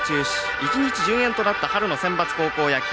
１日順延となった春のセンバツ高校野球。